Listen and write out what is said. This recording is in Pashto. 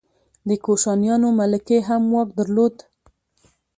د کوشانیانو ملکې هم واک درلود